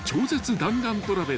弾丸トラベル］